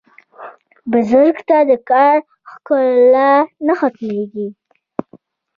بزګر ته د کار ښکلا نه ختمېږي